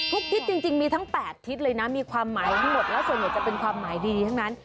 ทิศจริงมีทั้ง๘ทิศเลยนะมีความหมายทั้งหมดแล้วส่วนใหญ่จะเป็นความหมายดีทั้งนั้น